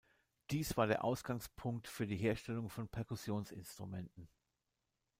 Dies war der Ausgangspunkt für die Herstellung von Perkussionsinstrumenten.